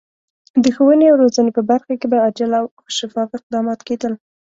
د ښوونې او روزنې په برخه کې به عاجل او شفاف اقدامات کېدل.